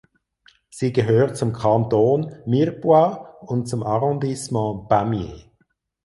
Sie gehört zum Kanton Mirepoix und zum Arrondissement Pamiers.